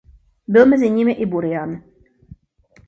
Byl mezi nimi i Burian.